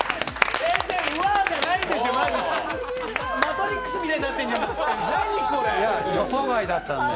先生、うわじゃないですよ「マトリックス」みたいになってるじゃないですか。